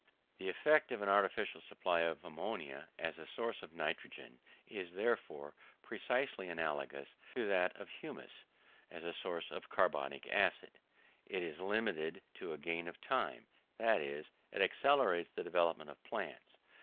The effect of an artificial supply of ammonia, as a source of nitrogen, is, therefore, precisely analogous to that of humus as a source of carbonic acid it is limited to a gain of time; that is, it accelerates the development of plants.